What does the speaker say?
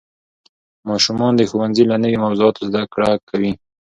ماشومان د ښوونځي له نوې موضوعاتو زده کړه کوي